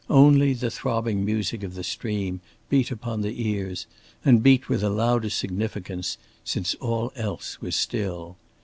Only the throbbing music of the stream beat upon the ears, and beat with a louder significance, since all else was still.